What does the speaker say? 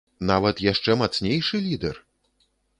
Нават яшчэ мацнейшы лідэр?